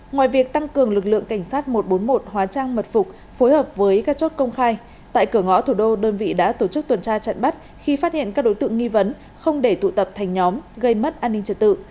ngoài việc tăng cường lực lượng cảnh sát một trăm bốn mươi một hóa trang mật phục phối hợp với các chốt công khai tại cửa ngõ thủ đô đơn vị đã tổ chức tuần tra trận bắt khi phát hiện các đối tượng nghi vấn không để tụ tập thành nhóm gây mất an ninh trật tự